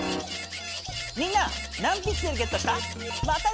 みんな何ピクセルゲットした？